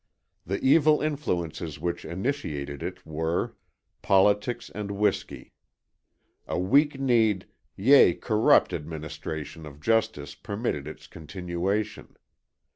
The evil influences which initiated it were: Politics and Whiskey. A weak kneed, yea, corrupt administration of justice permitted its continuation.